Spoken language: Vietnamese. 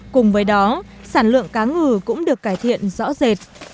cùng với đó sản lượng cá ngừ cũng được cải thiện rõ rệt